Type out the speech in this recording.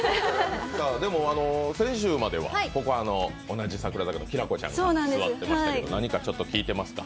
先週まではここ、同じ櫻坂のきらこちゃんが座ってましたけど何か、ちょっと聞いていますか？